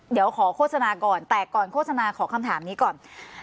เดี๋ยวขอโฆษณาก่อนแต่ก่อนโฆษณาขอคำถามนี้ก่อน